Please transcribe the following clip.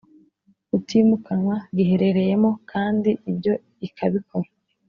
utimukanwa giherereyemo kandi ibyo ikabikora